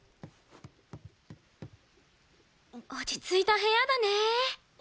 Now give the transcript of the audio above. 落ち着いた部屋だね。